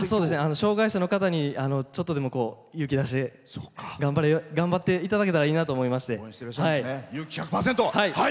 障害者の方に、ちょっとでも勇気出して頑張っていただけたらいいなと思いまして。